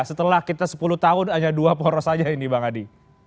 setelah kita sepuluh tahun hanya dua poros saja ini bang adi